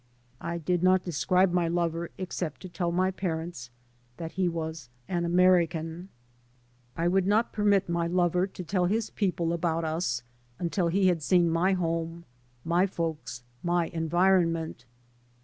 I did not describe my lover except to tell my parents that he was an American. [:S33 3 by Google MY MOTHER AND I I would not permit my lover to tell his peo ple about us until he had seen my home, my folks, my environment.